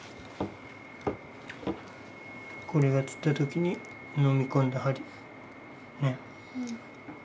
これが釣った時に飲み込んだ針。ね？